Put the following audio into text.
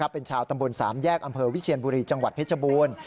เป็นชาวตำบลสามแยกอำเภอวิเชียนบุรีจังหวัดเพชรบูรณ์